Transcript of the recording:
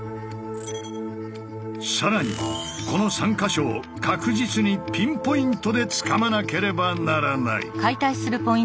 更にこの３か所を確実にピンポイントでつかまなければならない。